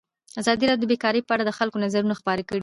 ازادي راډیو د بیکاري په اړه د خلکو نظرونه خپاره کړي.